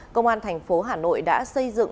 công an thành phố hà nội đã xây dựng